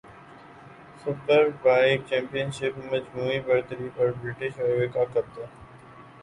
superbike championship مجموعی برتری پر برٹش رائیور کاقبضہ